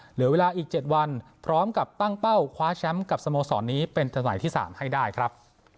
เหลือเวลาอีก๗วันพร้อมกับตั้งเป้าคว้าแชมป์กับสโมสรนี้เป็นสมัยที่๓ให้ได้ครับ